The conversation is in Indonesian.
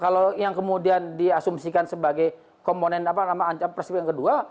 kalau yang kemudian diasumsikan sebagai komponen apa nama ancap perspektif yang kedua